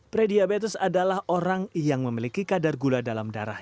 pre diabetes adalah orang yang memiliki kadar gula dalam darah